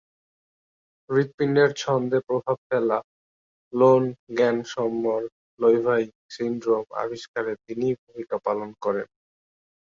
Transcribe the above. হৃৎপিণ্ডের ছন্দে প্রভাব ফেলা "লোন-গ্যানম্বর-লেভাইন সিনড্রোম" আবিষ্কারে তিনি ভূমিকা পালন করেছিলেন।